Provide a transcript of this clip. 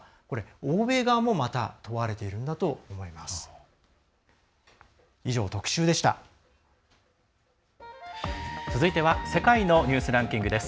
欧米側もまた問われていることだと思います。